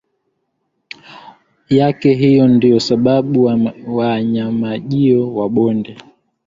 yake hiyo ndiyo sababu wanyamajio wa bonde